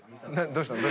どうしたの？